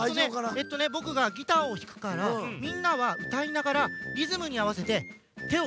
えっとねぼくがギターをひくからみんなはうたいながらリズムにあわせててをうごかしてください。